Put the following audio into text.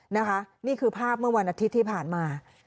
นะคะนี่คือภาพเมื่อวันอาทิตย์ที่ผ่านมา